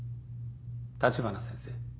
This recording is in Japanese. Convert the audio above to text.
立花先生